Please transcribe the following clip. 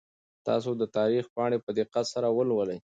تاسو د تاریخ پاڼې په دقت سره ولولئ.